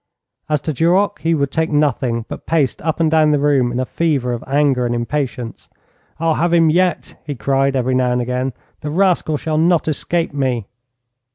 As to Duroc, he would take nothing, but paced up and down the room in a fever of anger and impatience. 'I'll have him yet!' he cried, every now and then. 'The rascal shall not escape me!'